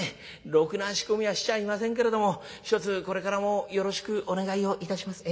ろくな仕込みはしちゃいませんけれどもひとつこれからもよろしくお願いをいたします。